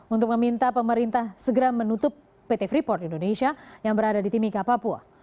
untuk meminta pemerintah segera menutup pt freeport indonesia yang berada di timika papua